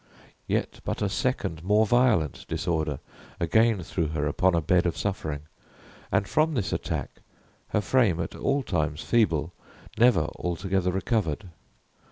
Yet but a second more violent disorder again threw her upon a bed of suffering; and from this attack her frame, at all times feeble, never altogether recovered.